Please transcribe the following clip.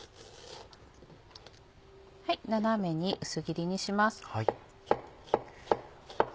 斜めに薄切りにします。